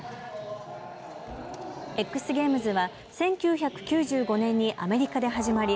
Ｘゲームズは１９９５年にアメリカで始まり